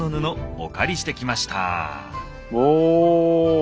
お！